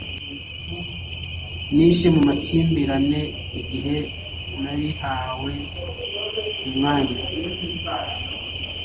Nishe mu makimbirane igihe nabihawe umwanya